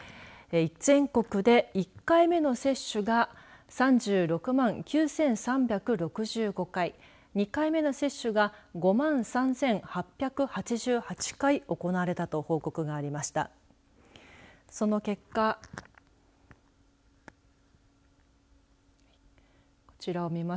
全国で１回目の接種が３６万９３６５回２回目の接種が５万３８８８回行われたと報告がありました。